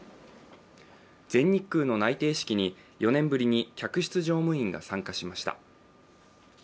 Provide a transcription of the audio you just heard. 全日空の内定式に４年ぶりに客室乗務員が参加しました。